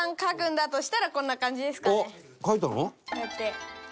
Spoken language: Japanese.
こうやって。